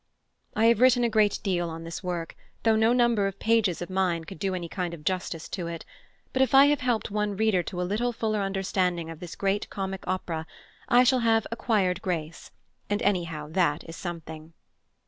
I have written a great deal on this work, though no number of pages of mine could do any kind of justice to it; but if I have helped one reader to a little fuller understanding of this great comic opera I shall have "acquired grace," and, anyhow, that is something.